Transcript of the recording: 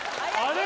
あれ？